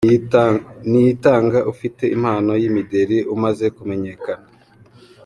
Niyitanga ufite impano y’imideli, umaze kumenyekana.